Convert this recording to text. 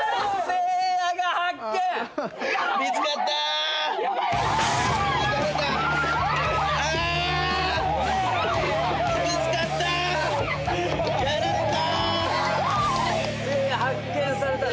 せいや発見された。